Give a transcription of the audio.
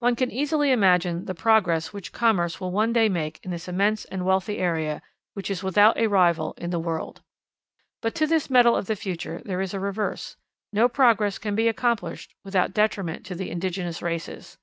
One can easily imagine the progress which commerce will one day make in this immense and wealthy area, which is without a rival in the world. But to this medal of the future there is a reverse. No progress can be accomplished without detriment to the indigenous races.